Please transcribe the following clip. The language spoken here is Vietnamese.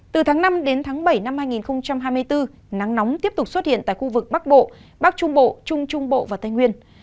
từ tháng năm đến tháng bảy năm hai nghìn hai mươi bốn nắng nóng tiếp tục xuất hiện tại khu vực bắc bộ bắc trung bộ trung trung bộ và tây nguyên